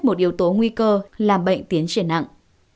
một yếu tố nguy cơ làm bệnh tiến triển nặng